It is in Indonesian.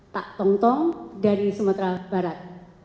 tak tong tong dari sumatera barat